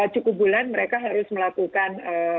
cukup bulan mereka harus melakukan